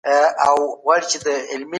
د استازو له پاره کوم امتیازات شتون لري؟